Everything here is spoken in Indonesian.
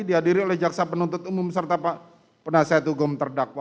dihadiri oleh jaksa penuntut umum serta pak penasihat hukum terdakwa